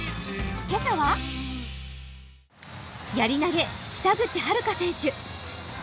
今朝はやり投げ、北口榛花選手。